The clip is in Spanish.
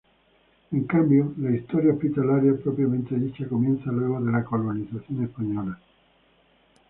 En cambio, la historia hospitalaria propiamente dicha comienza luego de la colonización española.